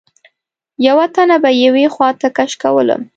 یوه تن به یوې خواته کش کولم.